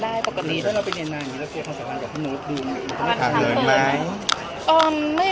ถ้าเราไปเรียนรอบนี้แล้วเกี่ยวกับพี่โน๊ตคือมีปัญหาเกิดไหม